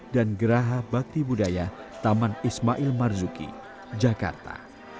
dan geraha bakti budaya taman ismail marzuki jakarta